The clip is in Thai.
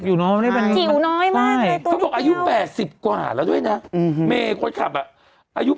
หรือหมากัดหรืออะไรก็ไม่รู้